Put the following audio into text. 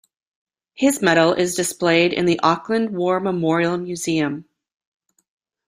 His Medal is displayed in the Auckland War Memorial Museum.